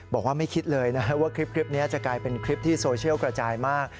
บอกว่าไม่คิดเลยนะว่าคลิปนี้จะกลายเป็นคลิปที่โซเชียลกระจายมาก